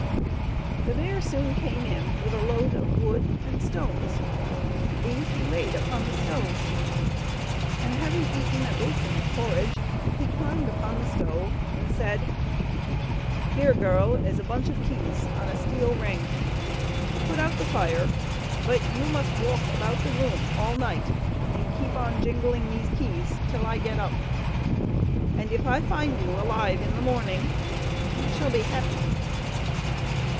The bear soon came in, with a load of wood and stones; these he laid upon the stove, and having eaten a basin of porridge, he climbed upon the stove, and said: "Here, girl, is a bunch of keys on a steel ring. Put out the fire; but you must walk about the room all night, and keep on jingling these keys, till I get up; and if I find you alive in the morning you shall be happy."